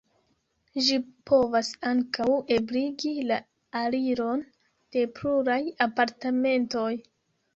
Ĝi povas ankaŭ ebligi la aliron de pluraj apartamentoj.